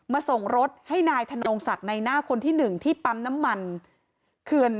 ส่งรถให้นายธนงศักดิ์ในหน้าคนที่๑ที่ปั๊มน้ำมันเขื่อน